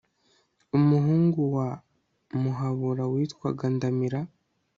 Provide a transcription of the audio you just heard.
umuhungu wa muhabura witwaga ndamira